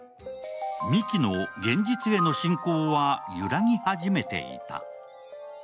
ミキの現実への信仰はゆらぎ始めていた。